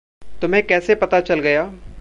तुम्हें कैसे पता चल गया?